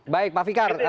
baik pak fikar